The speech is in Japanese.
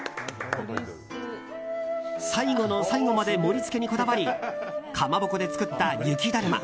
最後の最後まで盛り付けにこだわりかまぼこで作った雪だるま